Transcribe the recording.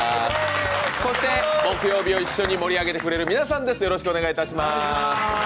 そして木曜日を一緒に盛り上げてくれる皆さんです。